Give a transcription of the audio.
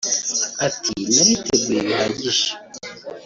Ati “Nariteguye bihagije